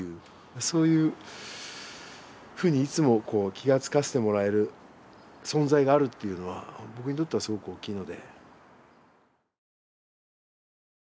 そういうふうにいつも気が付かせてもらえる存在があるっていうのは僕にとってはすごく大きいので。